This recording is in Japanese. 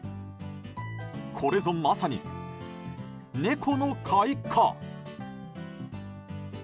これぞ、まさに猫の開花。